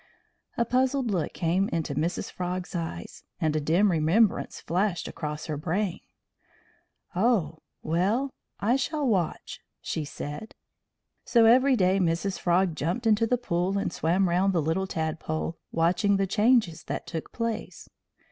A puzzled look came into Mrs. Frog's eyes, and a dim remembrance flashed across her brain. "Oh, well, I shall watch," she said. So every day Mrs. Frog jumped into the pool and swam round the little tadpole, watching the changes that took place.